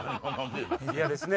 嫌ですね。